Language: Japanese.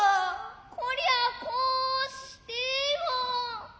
こりゃこうしては。